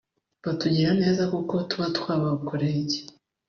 Batugirira neza kuko tuba twabakoreye iki